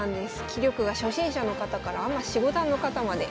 棋力が初心者の方からアマ四五段の方まで。